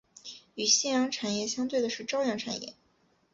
与夕阳产业相对的是朝阳产业。